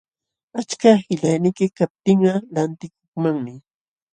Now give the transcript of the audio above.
Achka qillayniyki kaptinqa lantikukmanmi.